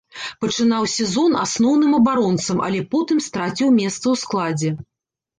Пачынаў сезон асноўным абаронцам, але потым страціў месца ў складзе.